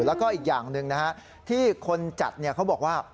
แล้วก็อีกอย่างหนึ่งนะฮะที่คนจัดเขาบอกว่า